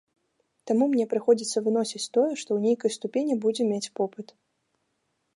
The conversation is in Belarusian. Таму мне прыходзіцца выносіць тое, што ў нейкай ступені будзе мець попыт.